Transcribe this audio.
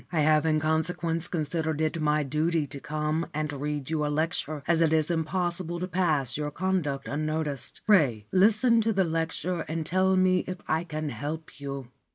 I have in consequence considered it my duty to come and read you a lecture, as it is impossible to pass your conduct unnoticed. Pray listen to the lecture and tell me if I can help you.'